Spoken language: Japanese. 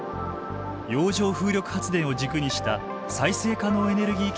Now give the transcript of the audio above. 洋上風力発電を軸にした再生可能エネルギー